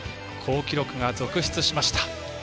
好記録が続出しました。